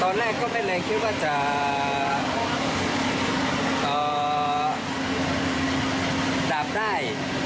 ตอนแรกก็ไม่ได้คิดว่าจะจับได้